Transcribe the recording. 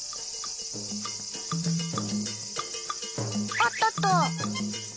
おっとっと。